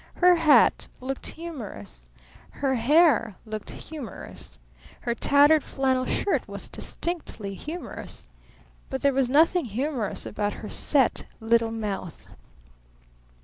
Her hat looked humorous. Her hair looked humorous. Her tattered flannel shirt was distinctly humorous. But there was nothing humorous about her set little mouth.